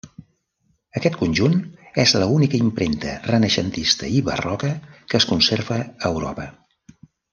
Aquest conjunt és l'única impremta renaixentista i barroca que es conserva a Europa.